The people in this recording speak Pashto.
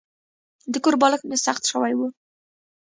د کور بالښت مې سخت شوی و.